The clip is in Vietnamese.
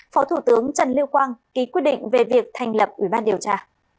phó thủ tướng trần lưu quang ký quyết định về việc thành lập ủy ban điều tra